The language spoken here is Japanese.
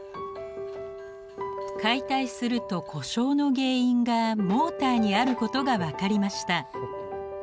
解体すると故障の原因がモーターにあることが分かりました。